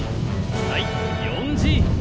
はい４Ｇ。